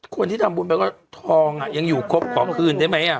คนที่ทำบุญไปก็ทองยังอยู่ครบขอคืนได้ไหม